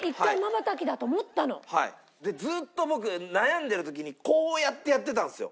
ずっと僕悩んでる時にこうやってやってたんですよ。